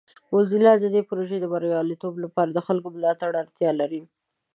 موزیلا د دې پروژې د بریالیتوب لپاره د خلکو ملاتړ ته اړتیا لري.